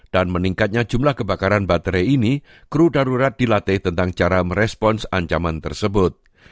dan meningkatnya jumlah kebakaran baterai ini kru darurat dilatih tentang cara merespons ancaman tersebut